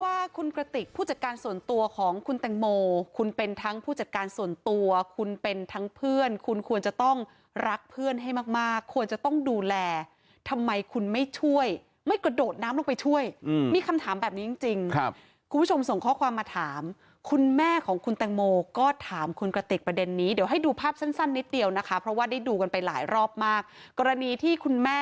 ว่าคุณกระติกผู้จัดการส่วนตัวของคุณแตงโมคุณเป็นทั้งผู้จัดการส่วนตัวคุณเป็นทั้งเพื่อนคุณควรจะต้องรักเพื่อนให้มากมากควรจะต้องดูแลทำไมคุณไม่ช่วยไม่กระโดดน้ำลงไปช่วยมีคำถามแบบนี้จริงจริงครับคุณผู้ชมส่งข้อความมาถามคุณแม่ของคุณแตงโมก็ถามคุณกระติกประเด็นนี้เดี๋ยวให้ดูภาพสั้นนิดเดียวนะคะเพราะว่าได้ดูกันไปหลายรอบมากกรณีที่คุณแม่